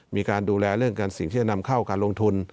มีการดูแลเรื่องการสิ่งที่จะนำเข้าการลงทุน